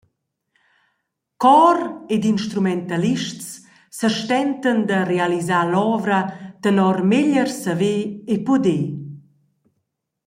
Chor ed instrumentalists sestentan da realisar l’ovra tenor meglier saver e puder.